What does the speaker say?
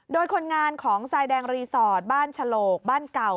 โดยคนงานของทรายแดงรีสอร์ทบ้านฉลกบ้านเก่า